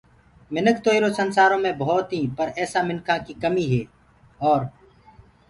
مِنک تو ايرو سنسآرو مي ڀوتيٚنٚ پر ايسآ مِنکآنٚ ڪي ڪميٚ هي اور